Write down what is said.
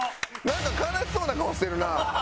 なんか悲しそうな顔してるな。